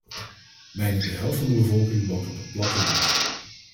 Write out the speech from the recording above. Bijna de helft van de bevolking woont op het platteland.